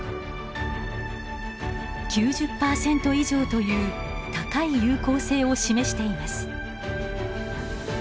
９０％以上という高い有効性を示しています。